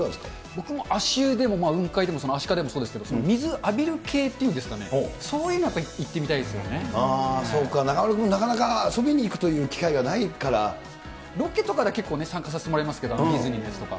僕も足湯でも、雲海でも、アシカでもそうですけど、水浴びる系っていうんですかね、そういうの、そうか、中丸君、なかなか遊ロケとかでは結構ね、参加させてもらいますけど、ディズニーですとか。